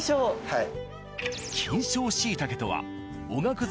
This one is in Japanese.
はい。